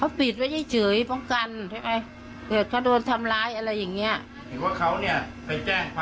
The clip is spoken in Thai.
เอาเงินจากชาวบ้านคนนู้นคนนี้อืมอันนี้จริงไหมครับคุณแม่